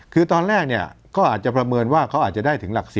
คือตอนแรกเนี่ยก็อาจจะประเมินว่าเขาอาจจะได้ถึงหลัก๑๐